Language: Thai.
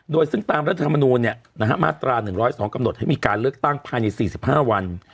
โดยซึ่งตามรัฐธรรมนูลมาตรา๑๐๒กำหนดให้มีการเลือกตั้งภายใน๔๕วัน